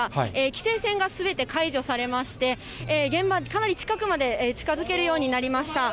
規制線がすべて解除されまして、現場、かなり近くまで近づけるようになりました。